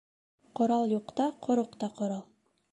Ҡорал юҡта ҡороҡ та ҡорал.